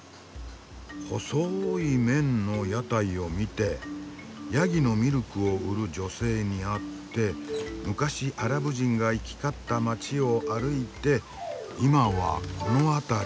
細い麺の屋台を見てヤギのミルクを売る女性に会って昔アラブ人が行き交った街を歩いていまはこの辺り。